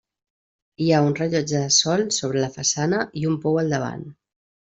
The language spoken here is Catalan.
Hi ha un rellotge de sol sobre la façana i un pou al davant.